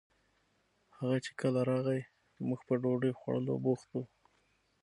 هغه چې کله راغئ موږ په ډوډۍ خوړولو بوخت وو